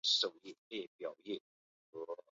糖山南侧就是中央公园。